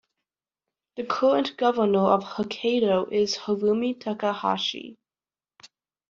The current governor of Hokkaido is Harumi Takahashi.